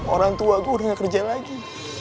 orang tua gue udah gak kerja lagi